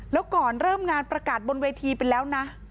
แล้วก่อนเริ่มงานประกาศบนเวทีไปแล้วนะ